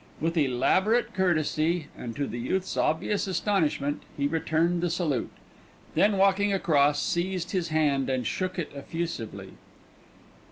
With elaborate courtesy, and to the youth's obvious astonishment, he returned the salute, then walking across seized his hand and shook it effusively.